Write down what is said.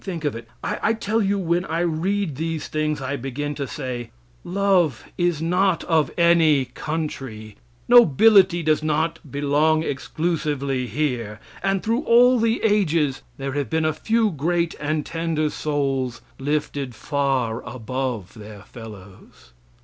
Think of it! I tell you when I read these things I begin to say, "Love is not of any country; nobility does not belong exclusively here;" and through all the ages there have been a few great and tender souls lifted far above their fellows.